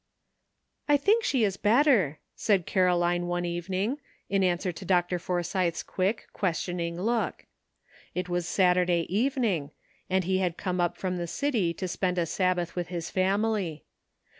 "I think she is better," said Caroline one evening, in answer to Dr. Forsythe's quick, questioning look. It was Saturday evening, and he had come up from the city to spend a Sabbath with his family.